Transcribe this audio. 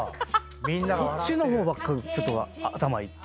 そっちの方ばっか頭いって。